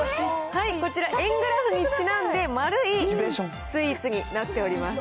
こちら、円グラフにちなんで、丸いスイーツになっております。